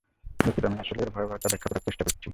দুঃখিত, আমি আসলে এর ভয়াবহতাটা ব্যাখ্যা করার চেষ্টা করছি!